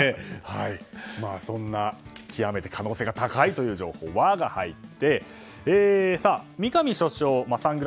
そんな極めて可能性が高いという情報「ワ」が入ってさあ、三上所長柳澤さん